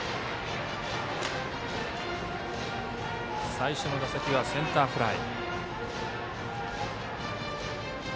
最初の打席はセンターフライ。